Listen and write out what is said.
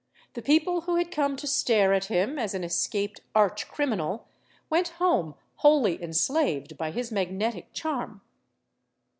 The people who had come to stare at him as an escaped arch criminal went home wholly enslaved by his magnetic charm.